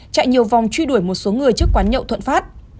chạy nhiều vòng truy đuổi một số người trước quán nhậu thuận phát